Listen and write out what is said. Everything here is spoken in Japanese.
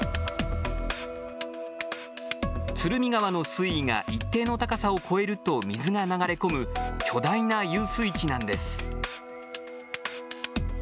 鶴見川の水位が一定の高さを超えると水が流れ込む巨大な遊水地なんです。